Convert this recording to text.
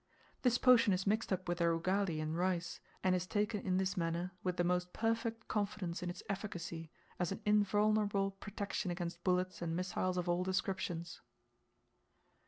This potion is mixed up with their ugali and rice, and is taken in this manner with the most perfect confidence in its efficacy, as an invulnerable protection against bullets and missiles of all descriptions.